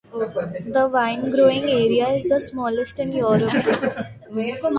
The wine growing area is the smallest in Europe.